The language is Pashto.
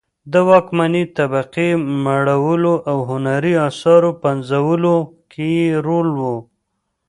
د واکمنې طبقې مړولو او هنري اثارو پنځولو کې یې رول و